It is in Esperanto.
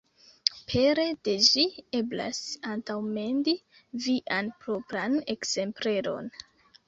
Pere de ĝi, eblas antaŭmendi vian propran ekzempleron.